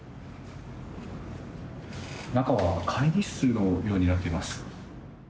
中は会議室のようになっています。